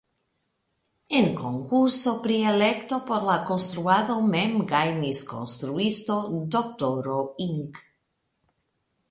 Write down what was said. En konkurso pri elekto por la konstruado mem gajnis konstruisto Dr. Ing.